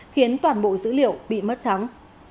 khiến toàn bộ dữ liệu bị mất trắng